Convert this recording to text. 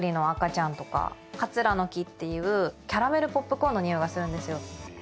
カツラの木っていうキャラメルポップコーンの匂いがするんですよ。